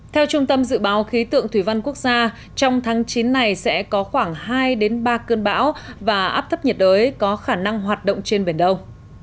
theo trung tâm dự báo khí tượng thủy văn quốc gia trong tháng chín này sẽ có khoảng hai ba cơn bão và áp thấp nhiệt đới có khả năng hoạt động trên biển đông